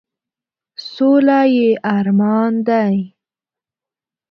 سوله یې ارمان دی ،.